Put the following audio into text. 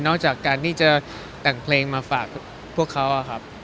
จากการที่จะแต่งเพลงมาฝากพวกเขาครับ